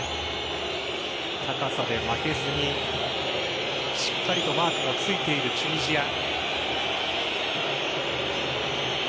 高さで負けずにしっかりとマークもついているチュニジア。